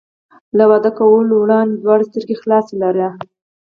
له واده کولو وړاندې دواړه سترګې خلاصې لره.